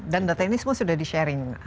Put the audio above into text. dan data ini semua sudah di sharing